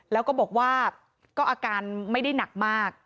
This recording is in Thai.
แล้วก็บอกว่าก็อาการไม่ได้หนักมาก